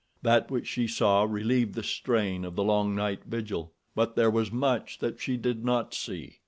That which she saw relieved the strain of the long night vigil; but there was much that she did not see.